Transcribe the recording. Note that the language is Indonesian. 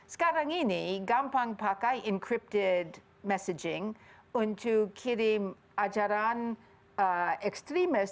sekarang ini gampang pakai incrypted messaging untuk kirim ajaran ekstremis